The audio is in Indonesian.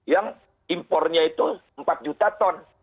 yang impornya itu empat juta ton